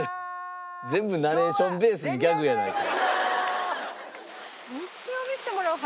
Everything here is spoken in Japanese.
全部ナレーションベースにギャグやないか。